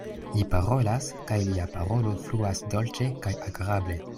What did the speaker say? Li parolas, kaj lia parolo fluas dolĉe kaj agrable.